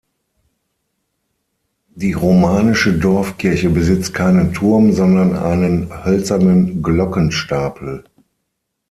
Die romanische Dorfkirche besitzt keinen Turm, sondern einen hölzernen Glockenstapel.